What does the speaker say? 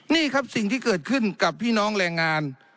นี่ครับสิ่งที่เกิดขึ้นกับพี่น้องแรงงาน